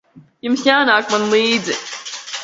Jums jānāk man līdzi.